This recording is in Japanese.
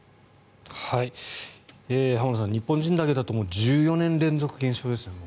浜田さん、日本人だけだともう１４年連続減少ですよ。